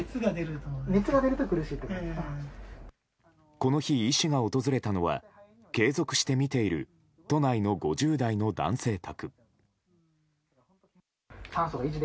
この日、医師が訪れたのは継続して診ている都内の５０代の男性宅。